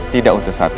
tidak untuk saat ini